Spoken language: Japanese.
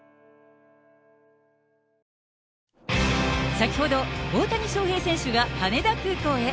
先ほど、大谷翔平選手が羽田空港へ。